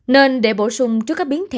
nên để bổ sung cho các biến thể